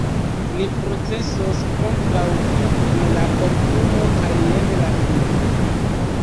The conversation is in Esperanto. ni procesos kontraŭ vi en la kortumo, kaj jen la fino.